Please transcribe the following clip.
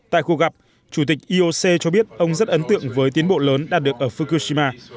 tại cuộc gặp chủ tịch ioc cho biết ông rất ấn tượng với tiến bộ lớn đạt được ở fukushima